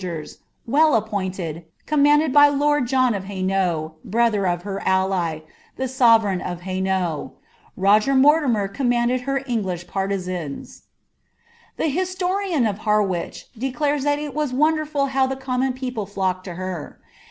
153 ohiiera, well appointed, commanded by lord John of Hainault, brother 0 her ally, the sovereign of Hainault Roger Mortimer commanded ler English partisans. The historian of Harwich declares that it was wonderful how the ommon people flocked to her.